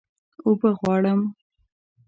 اوبه غواړم